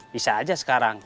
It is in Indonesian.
bisa saja sekarang